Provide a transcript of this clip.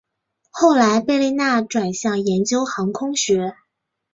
后来贝利纳转向研究航空学。